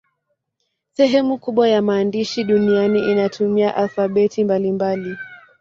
Sehemu kubwa ya maandishi duniani inatumia alfabeti mbalimbali.